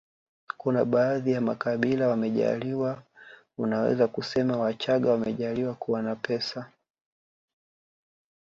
kuna baadhi ya makabila wamejaaliwa unaweza kusema wachaga wamejaaliwa kuwa na pesa